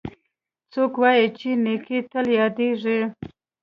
څوک وایي چې نیکۍ تل یادیږي